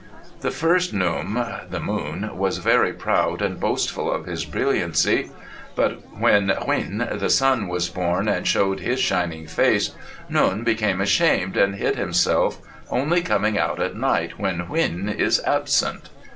The first Nounm (the moon) was very proud and boastful of his brilliancy but when Huin (the sun) was born and showed his shining face Nounm became ashamed and hid himself only coming out at night when Huin is absent.